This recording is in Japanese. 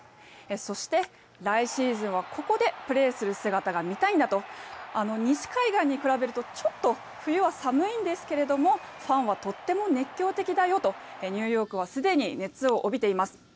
そして、来シーズンはここでプレーする姿が見たいんだと西海岸に比べるとちょっと冬は寒いんですけれどもファンはとっても熱狂的だよとニューヨークはすでに熱を帯びています。